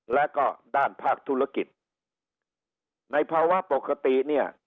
แล้วก็ด้านภาคธุรกิจในภาวะปกติเนี่ย